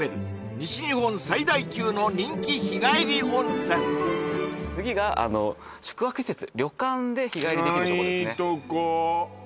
西日本最大級の人気日帰り温泉次が宿泊施設旅館で日帰りできるとこですね